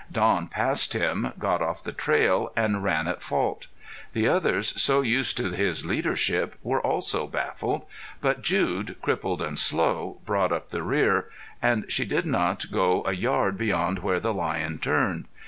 Don passed him, got off the trail, and ran at fault. The others, so used to his leadership, were also baffled. But Jude, crippled and slow, brought up the rear, and she did not go a yard beyond where the lion turned.